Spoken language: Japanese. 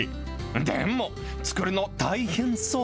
でも、作るの、大変そう。